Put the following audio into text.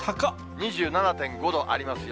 ２７．４度ありますよ。